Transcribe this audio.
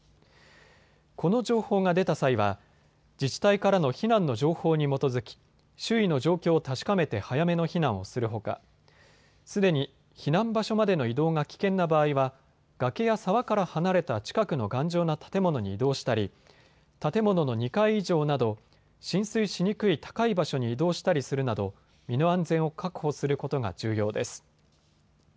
この情報が出た際は自治体からの避難の情報に基づき周囲の状況を確かめて早めの避難をするほかすでに避難場所までの移動が危険な場合は崖や沢から離れた近くの頑丈な建物に移動したり建物の２階以上など浸水しにくい高い場所に移動したりするなど身の安全を確保することが重要です。